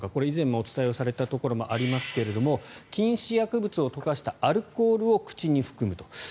以前にも伝えられたところもありますが禁止薬物を溶かしたアルコールを口に含むと。